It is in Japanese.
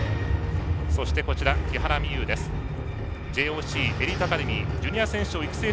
そして、木原美悠です。